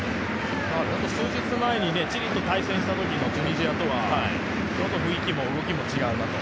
数日前にチリと対戦したときのチュニジアとはちょっと雰囲気も動きも違うなと。